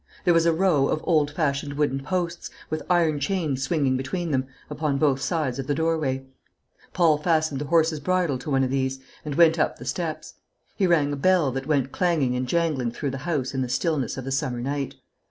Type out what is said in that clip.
There was a row of old fashioned wooden posts, with iron chains swinging between them, upon both sides of the doorway. Paul fastened the horse's bridle to one of these, and went up the steps. He rang a bell that went clanging and jangling through the house in the stillness of the summer night.